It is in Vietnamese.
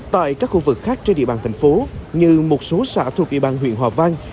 tại các khu vực khác trên địa bàn thành phố như một số xã thuộc địa bàn huyện hòa vang